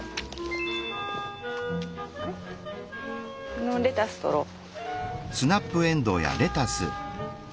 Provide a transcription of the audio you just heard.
このレタス採ろう。